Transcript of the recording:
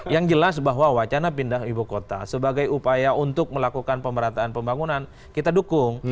yang jelas bahwa wacana pindah ibu kota sebagai upaya untuk melakukan pemerataan pembangunan kita dukung